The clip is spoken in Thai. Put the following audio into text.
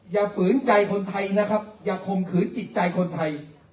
ฝืนใจคนไทยนะครับอย่าข่มขืนจิตใจคนไทย